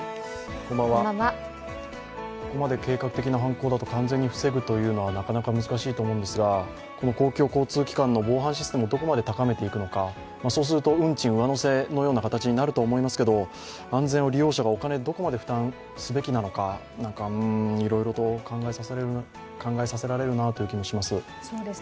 ここまで計画的な犯行だと、完全に防ぐというのはなかなか難しいと思うんですがこの公共交通機関の防犯システムをどこまで高めていくのか、そうすると運賃上乗せのような形になると思いますけれども、安全を利用者がどこまでお金、負担すべきなのかうーん、いろいろと考えさせられるという気もします。